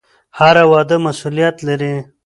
هره وعده مسوولیت لري